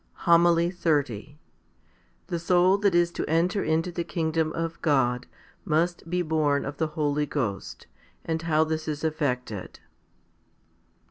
v HOMILY XXX The soul that is to enter into the kingdom of God must be born of the Holy Ghost ; and how this is effected.